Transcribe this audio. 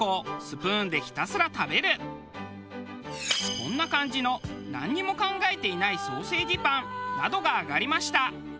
こんな感じのなんにも考えていないソーセージパンなどが挙がりました。